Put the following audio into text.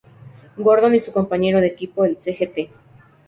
Gordon y su compañero de equipo el Sgt.